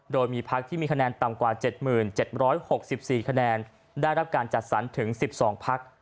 โดยมีพักที่มีคะแนนต่ำกว่า๗๗๖๔คะแนนได้รับการจัดสรรถึง๑๒พัก